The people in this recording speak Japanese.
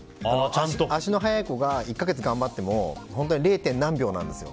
足の速い子が、１か月頑張っても本当は０．何秒なんですよ。